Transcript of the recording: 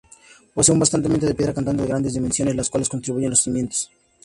Posee un basamento de piedra cantada de grandes dimensiones, las cuales constituyen los cimientos.